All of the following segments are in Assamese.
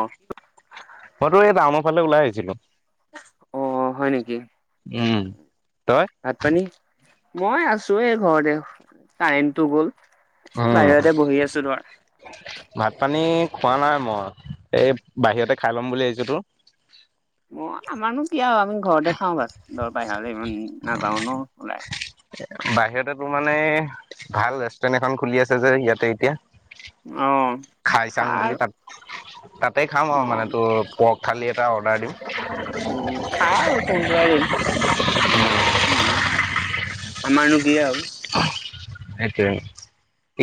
অ', মইতো এই টাউনৰ ফালে ওলাই আহিছিলো অ হয় নেকি উম তই ভাত পানী মই আছো এ ঘৰতে কাৰেণ্ট টো গ'ল বাহিৰতে বহি আছো তোমাৰ ভাত পানী খোৱা নাই মই এই বাহিৰতে খাই ল'ম বুলি আহিছো তো অ আমাৰনো কিয় আৰু আমি ঘৰতে খাওঁ বা দৰ প হলে ইমান নাযাও ন ওলাই বাহিৰতে তোৰ মানে ভাল ৰেষ্টুৰেণ্ট এখন খুলি আছে যে ইয়াতে এতিয়া অ', খাই চাং খাৰ বুলি তাত তাতে খাম আৰু মানে অ', তোৰ পৰ্গ থালি এটা অৰ্ডাৰ দিম উম‌ খা আৰু তোহোতৰে দিন উম উম আমাৰনো কি আও সেইটোয়ে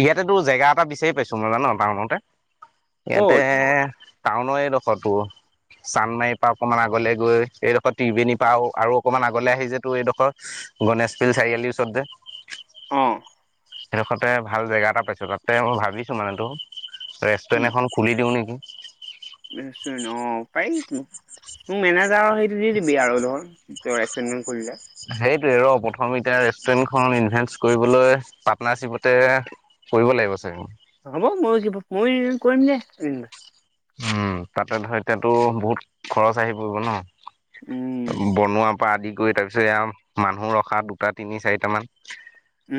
ইয়াতে তো জেগা এটা বিচাৰি পাইছো মই জানো তাৰ মতে ইয়াতে ক'ত টাউনৰ এইডোখটো চান্দমাৰীৰ পৰা অকমান আগলে গৈ এইডোখৰ ত্ৰিবেণীৰ পৰা আৰু অকণমান আগলৈ আহি যেতো এইডোখৰ গণেশ পিল চাৰিআলি ওচৰত যে অহ সেইডখতে ভাল জেগা এটা পাইছো তাতে মই ভাবিছো মানেতো ৰেষ্টুৰেণ্ট উম। এখন খুলি দিও নেকি অ পাৰ মোক মেনেজাৰৰ সেইটো দি দিবি আৰু ধৰ তো এছ এম কৰিলে সেইটোয়ে ৰ প্ৰথম এতিয়া ৰেষ্টুৰেন্টখনত ইনভেচ কৰিবলৈ পাৰ্টনাৰশ্বিপতে কৰিব লাগিব চাগে হ'ব মই কিবা ময় কিবা কৱি কৰিম দে উম তাতে ধ এতিয়াতো বহুত খৰচ আহি পৰিব উম। ন বনোৱাৰ পৰা আদি কৰি তাৰ পিছত এয়া মানুহ ৰখা দুটা তিনি চাৰিটা মান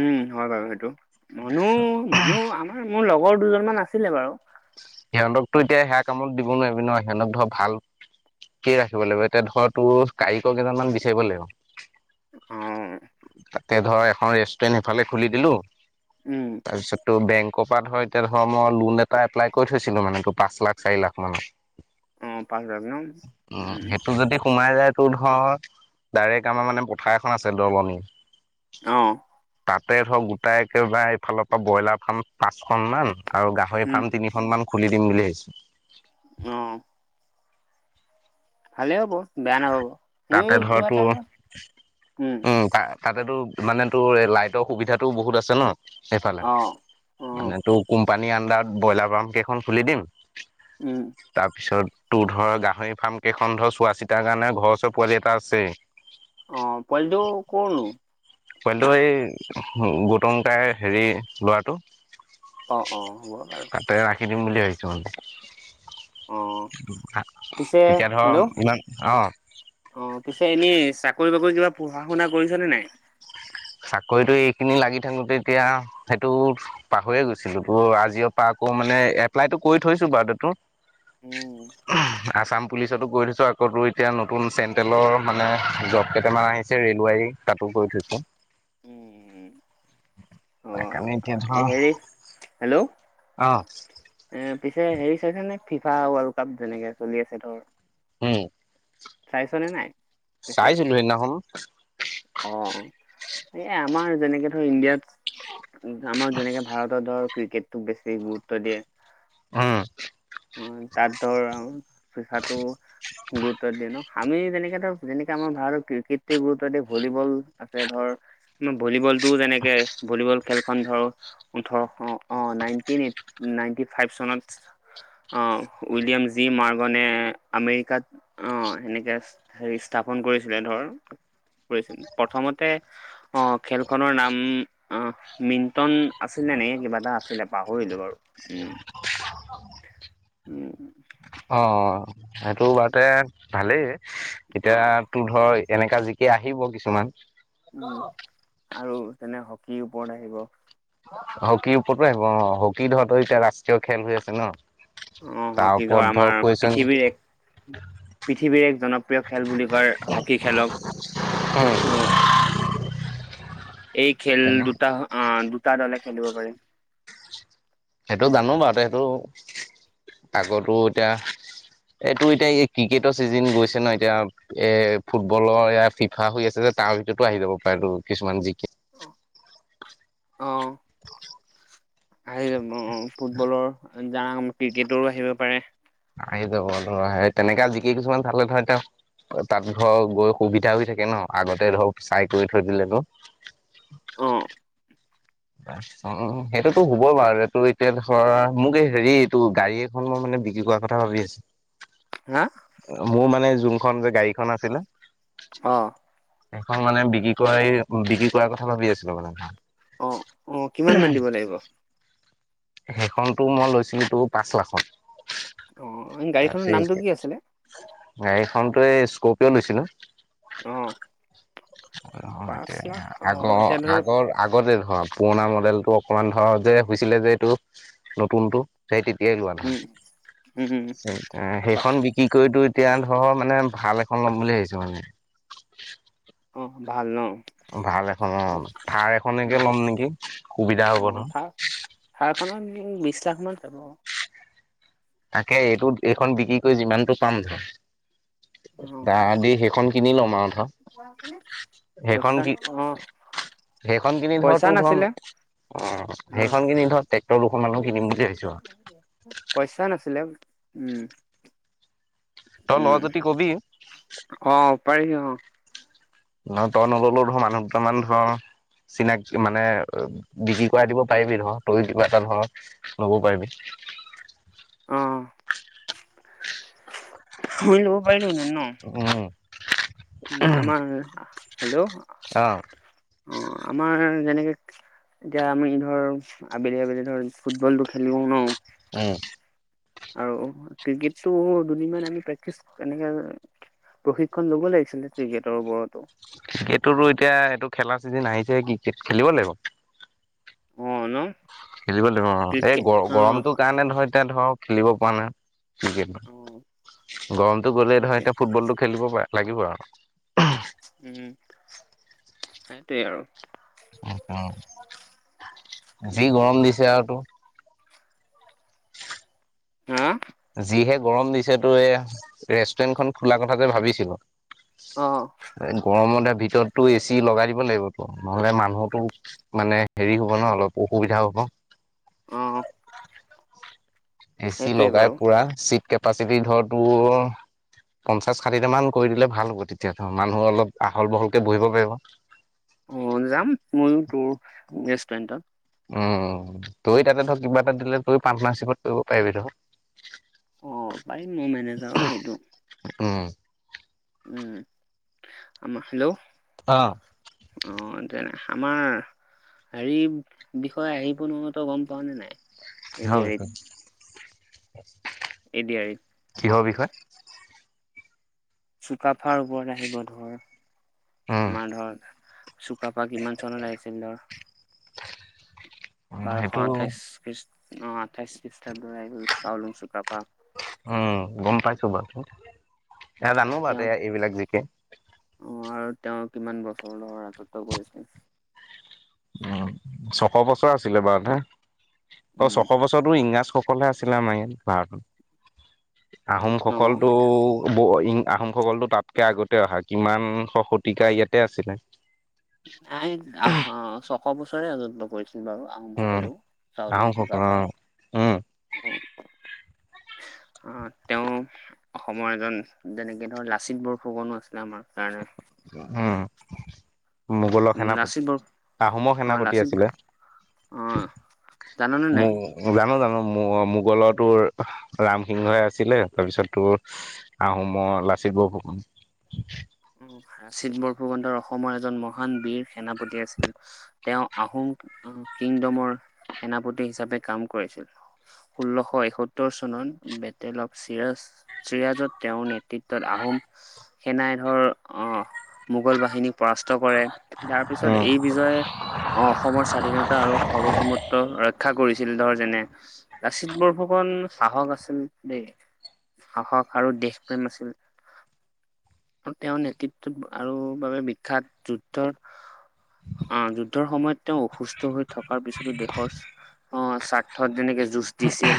উম হয় বাৰু সেইটো মানুহ মানুহ আমাৰ মোৰ লগৰ দুজন মান আছিলে বাৰু সিহঁতকতো এতিয়া সেয়া কামত দিব নোৱাৰিবি নহয় সিহঁতক ধৰ ভাল কি ৰাখিব লাগিব এতিয়া ধৰ তোৰ কাৰিকৰ কেইজন মান বিচাৰিব লাগিব অ', তাতে ধৰ এখন ৰেষ্টুৰেন্ট সিফালে খুলি দিলো উম, তাৰপিছতো বেংকৰ পৰা ধৰ এতিয়া ধৰ ম লোন এটা এপ্লাই কৈ থৈছিলো মানে ত পাঁচ লাখ চাৰি লাখ মানত অ', পাঁচ হাজাৰ ন? উম সেইটো যদি সোমাই যায় টো ধৰ ডাইৰেক্ট আমাৰ মানে পথাৰ এখন আছে দলনি অহ তাতে ধৰক গোটাই একেবাৰে এইফালৰ পৰা ব্ৰইলাৰ ফাৰ্ম পাঁচখন মান আৰু গাহৰি উম, ফাৰ্ম তিনি খন খুলি দিম বুলি ভাবিছো অ ভালে হব বেয়া নাপাব। মোৰো তাতে ধৰ কিবা তো এটা উম ত তাতেতো মানে তোৰ লাইটৰ সুবিধাটো বহুত আছে ন সেইফালে অ', অ', মানে তোৰ কোম্পা- পানীৰ আণ্ডাৰত ব্ৰইলাৰ পাম্পকেইখন খুলি দিম উম, তাৰপিছত তোৰ ধৰ গাহৰি ফাৰ্ম কেইখন ধৰ চোৱা চিতাৰ কাৰণে ঘৰ ওচৰ পোৱালি এটা আছেই। অ পোৱালিটো কৰ নো পোৱোলিটো এই গৌটংকাই হেৰি লৰাটো। অ অ হ'ব আৰু তাতে ৰাখি দিম বুলি ভাবিছো মানে অ পিছে তেতিয়া ধৰ হেল্ল' ইমান অ অ পিছে এনে চাকৰি কিবা পঢ়া শুনা কৰিছ নে নাই কৰিতো এইখিনি লাগি থাকোতে এতিয়া সেইটো পাহৰিয়ে গৈছিলো তো আজি পৰা আকৌ মানে এপ্লাইটো কৰি থৈছো বা দেতত উম আসাম পুলিচতো গৈ থৈছোঁ আকৌ এতিয়া নতুন চেণ্ট্ৰেলৰ মানে জব কেইটামান আহিছে ৰেলৱাৰী তাটো কৰি থৈছো উম, হয় অ', হেৰি হেল্ল' অ এ পিছে হেৰি চাইছে নে ফিফা ৱৰ্ল্ড কাপ যেনেকে চলি আছে ধৰ উম চাইছনে নাই। পিছে চাইছিলো সেইদিখন অ এই আমাৰ যেনেকে ধৰ ইণ্ডিয়াত আমাৰ যেনেকে ভাৰতৰ ধৰ ক্ৰিকেটটোক বেছি গুৰুত্ব দিয়ে। উম উ তাত ধৰ পইচাটো গুৰুত আমি যেনেকে ধৰক যেনেকে আমাৰ ভাৰতৰ ক্ৰিকেটে গুৰুত্ব দিয় ভলীবল আছে ধৰ ভলীবল টো যেনেকে ভলীবল খেলখন ধৰ ওঠৰশ অ নাইনটিনট নাইনটি ফাইভ চনত আহ উইলিয়াম জি মাৰ্গনে আমেৰিকাত অ সেনেকে হেৰি স্থাপন কৰিছিলে ধৰ ছিল প্ৰথমতে অ খেলখনৰ নাম আহ মিন্টন আছিল। এনেকে কিবা এটা আছিলে পাহৰিলো বাৰু উম উম অ সেইটো বাৰতে ভালেই অ', এতিয়া তো ধৰ এনেকা জিকে আহিব কিছুমান। উম আৰু তেনে হকীৰ ওপৰত আহিব হকীৰ ওপৰতো আহিব অ হকী ধৰ এতিয়া ৰাষ্ট্ৰীয় খেল হৈ আছে ন। আহ তাৰ কি ধৰ ওপৰত আমাৰ কুৱেশন পৃথিৱীৰ এক পৃথিৱীৰ এক জন প্ৰিয় খেল বুলি কয় হকী খেলক আহ এই খেল দুটা আহ দুটা দলে খেলিব পাৰি। সেইটো জানো বাৰু সেইটো আগটো এতিয়া এইটো এতিয়া এই ক্ৰিকেটৰ চিজন গৈছে ন এতিয়া এ ফুটবলৰ এয়া ফিফা হৈ আছে যে তাৰ ভিতৰতো আহি যাব পাৰে তো কিছুমান জিকে আহ আহি যাব ফুটবলৰ যাৰ ক্ৰিকেটৰো আহিব পাৰে আহি যাব ধৰা তেনেকা জিকে কিছুমান থালে নহয় তেওঁ তাত ধৰ গৈ সুবিধা হৈ থাকে ন আগতে ধৰক চাই কৰি থৈ দিলেতো অহ উ সেইটোতো হ'বই বাৰু এইটো এতিয়া ধৰা মোক এই হেৰি এইটো গাড়ী এখন মই মানে বিক্ৰী কোৱা কথা ভাবি হা আছো মোৰ মানে যোনখন যে গাড়ীখন আছিলে। অ এখন মানে বিক্ৰী কৰাই বিক্ৰী কৰাৰ কথা ভাবি আছিলো মানে। অ অ কিমান মান দিব লাগিব সেইখনতো মই লৈছিলো তো পাঁচ লাখত অ গাড়ীখনৰ নামটো কি আছিলে [unintelligible] গাড়ীখনতো এই স্কপিঅ' লৈছিলো। অ পাঁচ এয়া লাখ অ আগৰ এতিয়া ধৰ আগৰ আগতে ধৰা পুৰণা মডেল ত অকমান ধৰ যে হৈছিলে যে এইটো নতুনতটো সেই তেতিয়াই লোৱা উম উম উম সেইখন বিক্ৰী কৰিতো। এতিয়া ধৰ মানে ভাল এখন ল'ম বুলি ভাবিছো মানে। অ ভাল ন ভাল এখন অ থাৰ এখননেকে উম ল'ম নেকি সুবিধা অ হ'ব ন। থাৰ থাৰখনত বিশ লাখ মান হব। তাকে এইটো এইখন বিক্ৰী কৰি যিমানতটো পাম অ আধা দি সেইখন কিনি লম আৰু ন সেইখন পইচা কি অ সেইখন কিনি ধৰ পইচা তোৰ ধৰ অ নাছিলে অ সেইখন কিনি ধৰক ট্ৰেক্টৰ দুখন মানো কিনিম বুলি ভাবছো আৰু পইচা নাছিলে উম তই ল উম যদি কবি অ পাৰিছো অ নহ তই নললেও ধ মানুহ দুটামান ধৰ চিনাকি মানে বিক্ৰী কৰাই দিব পাৰিবি নৰক তই কিবা এটা ধৰক ল'ব পাৰিবি [inaudible] অ মই লব পাই লো হয় ন উম উ আমাৰ হেল্ল' অ আমাৰ যেনেকে এতিয়া আমি ধৰ আবেলি আবেলি ধৰ ফুটবল টো খেলো ন উম আৰু ক্ৰিকেটটো দুদিনমান আমি প্ৰেক্টিচ এনেকে প্ৰশিক্ষণ লব লাগিছিলে ক্ৰিকেটৰ ওপৰতো ক্ৰিকটোতো এতিয়া এইটো খেলা চিজেন আহিছে ক্ৰিকট খেলিব লাগিব অ ন খেলিব লাগিব আৰু এই ক্ৰিকেট গ অ' গৰমটো কাৰণে ধৰ এতিয়া ধৰ খেলিব পৰা নাই অ' [unintelligible] গৰমটো গ'লেই ধৰ সেইটোৱে এতিয়া ফুটবলটো খেলিব লাগিব আৰু উম সেইটোৱে আৰু [unintelligible] যি গৰম দিছে আৰু তোৰ হা আ যিহে গৰম দিছে তো এ ৰেষ্টুৰেন্ট খন খোলা কথা যে ভাবিছিলো অ' গৰমত দে ভিতৰতটো এ চি লগাই দিব লাগিব নহলে মানুহতো মানে হেৰি হব ন অলপ অসুবিধাও হব ন অহ এ চি লগাই পুৰা চিট কেপাচিটি ধৰ তোৰ পঞ্চাশ ষাঠিটামান কৰি দিলে ভাল হ'ব তেতিয়াতো মানুহ অলপ আহল বহলকে বহিব পাৰিব অ যাম ময়ো তোৰ ৰেষ্টুৰেণ্টত উম তই তাতে ধৰক কিবা এটা দিলে তই পাৰ্টনাৰশ্বিপত কৰিব পাৰিবি ধৰ অ' পাৰিম মোৰ মেনেজাৰৰ সেইটো উম উম আমা হেল্ল' অ অ যেন আমাৰ হেৰি বিষয়ে আহিব নহয় তই গম পাৱ নে নাই কিহ বিষয়ে এ দি আৰি ইত কিহৰ বিষয়ে [unintelligible] চুকাফাৰ ওপৰত আহিব ধৰ উম আমাৰ ধৰ চুকাফা কিমান চনত আহিছিল ধৰ বাৰশ সেইটো আঠাইচ খ্ৰীষ্ট আহ আঠাইচ খ্ৰীষ্টাব্দৰ [unintelligible] চাওলুং চুকাফা উম গম পাইছোঁ বাও এ জানো বাও তেওঁ টোৰ এইবিলাক জি কে অ আৰু তেওঁ কিমান বছৰলৈ ৰাজত্ব কৰিছিল উম ছশ বছৰ আছিলে বাৰু [unintelligible] অ উম ছশ বছৰতো ইংৰাজ [unintelligible] আছিল আমাৰ ইয়াত ভাৰতত আহোম সকলোটো নহয় [unintelligible] আহোমসকলতো তাতকে আগতে অহা কিমান শ শতিকা ইয়াতে আছিলে নাই আহোম ছশ বছৰে কৰিছিলে [unintelligible] বাৰু আহোম উম সকলেও চাওলুং আহোমসকল অ চুকাফাই [inaudible] উম আহ তেওঁ অসমৰ এজন যেনেকে ধৰ লাচিত বৰফুকনো আছিলে আমাৰ কাৰণে উম মোগলৰ সেনাপতি লাচিত বৰ আহোমৰ অ সেনাপতি লাচিত আছিলে অ জাননে নাই [unintelligible] জানো জানো মোগলৰ টো ৰামিংহই আছিলে তাৰপিছত টোৰ আহোমৰ [unintelligible] চি বৰফুকন [unintelligible] [inaudible] লাচিত বৰফুকন ধৰ অসমৰ এজন মহান বীৰ সেনাপতি আছিল তেওঁ আহোম [unintelligible] কিংডমৰ সেনাপতি হিচাপে কাম কৰিছিল ষোল্লশ এসত্তৰ চনত বেটেল অফ চিৰাচ [unintelligible] চিৰাজত তেওঁৰ নেতৃত্বত আহোম সেনাই ধৰ অ মোগল বাহিনী, পৰাস্ত কৰে তাৰ পিছত উম এই বিজয়ে অসমৰ স্বাধীনতা আৰু সাৰ্বভৌমত্ব। ৰক্ষা কৰিছিল ধৰ যেনে লাচিত বৰফুকন শাহস আছিল দেই সাহস আৰু দেশ প্ৰেম আছিল আৰু তেওঁ আৰু বাবে বিখ্যাত যুদ্ধৰ আহ যুদ্ধৰ সময়ত তেওঁ অসুস্থ হৈ থকাৰ পিছতো দেশৰ অ স্বাৰ্থত যেনেকে যুঁজ দিছিল।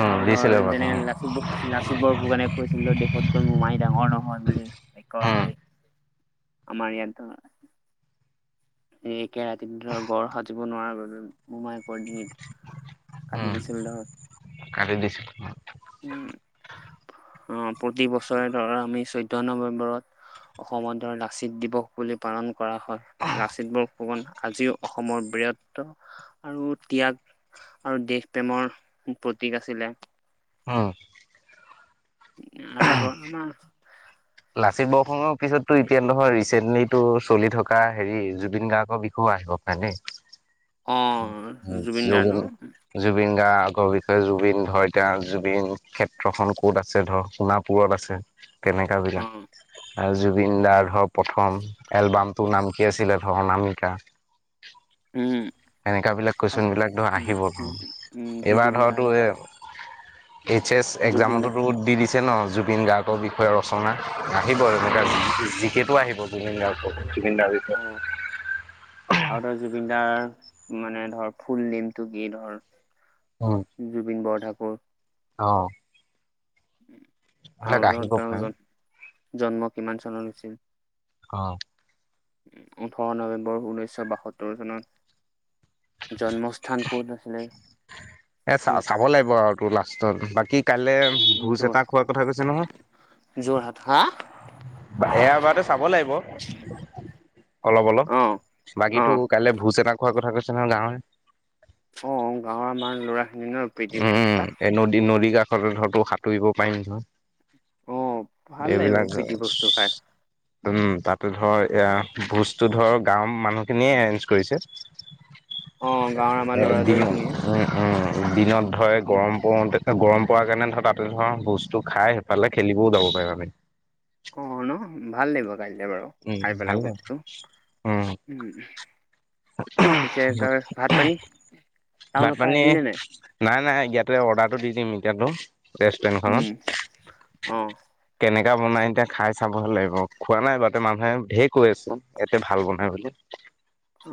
উম আৰু ধৰ দিছিলে বাৰু যেনেক লাচিতৰ লাচিত বৰফুকণে কৈছিল দেশত কৈ মোমাই ডাঙৰ নহয় বুলি একয় উম হাৰ আমাৰ ইয়াতো। [unintelligible] একেৰাতিৰ গড় সাজিব নোৱাৰাৰ বাবে মোমায়েকৰ ডিঙিত উম কাটি দিছিল দ। কাটি দিছিল। উম আহ প্ৰতি বছৰে ধৰা আমি চৈধ্য নৱেম্বৰত। অসমৰ ধৰ লাচিত দিৱস বুলি পালন কৰা হয় লাচিত বৰুফুকন আজিও অসমৰ বীৰত্ব আৰু ত্যাগ আৰু দেশ প্ৰেমৰ প্ৰতীক আছিলে উম আৰু ধৰ আমাৰ লাচিত বৰফুকনৰ পিছত এতিয়া নহয় ৰিচেণ্টলি তটো চলি থকা হেৰি জুবিন গাৰ্গৰ বিষয় আহিব প [unintelligible] নে অ জুবিন গাৰ্গ জুন ন জুবিন গা আগৰ বিষয়ে জুবিন ধৰ এতিয়া জুবিন ক্ষেত্ৰখন ক'ত আছে ধৰ সোণাপুৰত আছে। কেনেকা অ। জুবিন দাৰ ধৰ প্ৰথম এলবামটো নাম কি আছিলে ধৰ অনামিকা। উম। হেনেকুৱাবিলক কুৱেশনবিলাক ধৰ উম আহিব উম এইবাৰ জুবিন দাৰ ধৰতো ধৰ এই এইচ এছ জুবিন দা একজামতোতো দি দিছে ন জুবিন গাৰ্গৰ বিষয়ে ৰচনা। [unintelligible] আহিব অ এনেকুৱা জিকেতটো আহিব জুবিন দাৰ বিষয়ে [unintelligible] জুবিন দাৰ অ বিষয়ে। তাৰ মানে ধৰ ফুল নেমটো কি ধৰ? জুবিন বৰঠাকুৰ। অঁ আৰু ধৰ পাৰে তেওঁৰ জন্ম কিমান চানত হৈছিল অ ওঠৰ নৱেম্বৰ ঊনৈছশ বাসত্তৰ চনত জন্মস্থান কত আছিলে এ চ চাব লাগিব আৰু তোৰ লাষ্টত বা কাইলৈ ভোজ যোৰ এটা খোৱাৰ কথা কৈছে নহয়। যোৰহাট হা এয়াবাৰ চাব লাগিব অলপ অ অলপ বাকী অ কাইলে ভোজ এটা খোৱা কথা কৈছে নহয় গাঁৱৰ। অ গাঁৱৰ আমাৰ ল'ৰা। খিনি ন প্ৰীতি ভোজ উম এটা এই নদী নদীৰ কাষতে ধৰ তো সাঁতুৰিব পাৰিম অ ভাল নহয়। লাগিব এইবিলাক প্ৰীতি ভোজটো খাই উম তাত ধৰ এ ভোজটো ধৰ গাঁওৰ মানুহখিনিয়ে এৰেঞ্জ কৰিছে। অ গাঁৱৰ আমাৰ এ ল'ৰা দিনত লৰিখিনিয়ে উম উম দিনত ধৰে গৰম পৰোতে। গৰম পাৰ কাৰণে ধৰ তাতে ধৰা বস্তু খাই সেইফালে খেলিবও যাব পাৰিম আমি। অ ন ভাল লাগিব। বাৰু উম খাই পেলাই ভালে বস্তু উম। পিছে ত ভাত পানী। ভাত টাউনৰ পৰা পানী আহিলি নে নাই নাই নাই ইয়াতে অৰ্ডাৰটো দি দিম এতিয়াতো। ৰেষ্টুৰেণ্ট উম খনত অ কেনেক এয়া বনাই এতিয়া খাই চাবহ লাগিব খোৱা নাই বাতে মানুহে ধেই কৈ আছে ইয়াতে ভাল বনাই বুলি।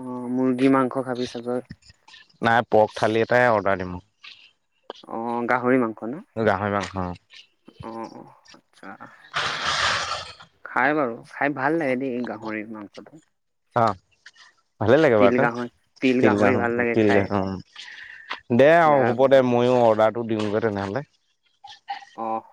অঁ মুৰ্গী মাংস খাবি চাগৈ নাই পৰ্ক থালি এটাই অৰ্ডাৰ দি মোক অ গাহৰি মাংস ন গাহৰি মাংস অ অ আচ্ছা খাই বাৰু খাই ভাল লাগে দেই এই গাহৰি মাংসটো। অ ভালে লাগে তিল বাৰু গাহৰি টো তিল তিলগা গাহৰি ভাল অ লাগে খাই তিলগা দে ধা আৰু হ'ব দে ময়ো অৰ্ডাৰটো দিওঁগৈ তেনেহলে। আহ